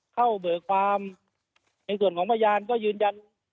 เข้าเบอร์ความในส่วนของพยานก็ยืนยัน